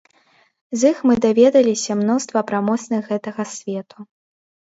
З іх мы даведаліся мноства пра моцных гэтага свету.